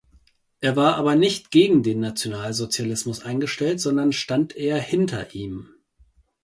Er war aber nicht gegen den Nationalsozialismus eingestellt, sondern stand eher hinter ihm.